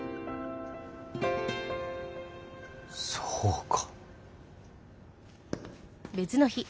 そうか！